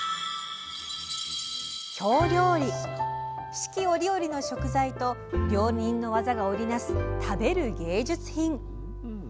四季折々の食材と料理人の技が織り成す「食べる芸術品」。